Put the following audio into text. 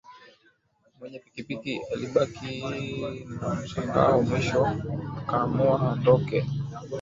Mwenye pikipiki alibaki na mshangao mwisho akaamua aondoke